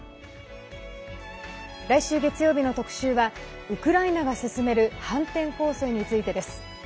来週月曜日の特集はウクライナが進める反転攻勢についてです。